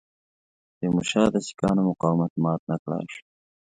تیمورشاه د سیکهانو مقاومت مات نه کړای شي.